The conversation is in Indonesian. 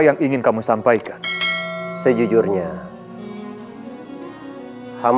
yang memutuskan untuk men impress ke tujuh raden